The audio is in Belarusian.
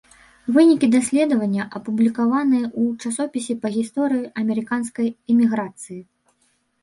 Вынікі даследавання апублікаваныя ў часопісе па гісторыі амерыканскай эміграцыі.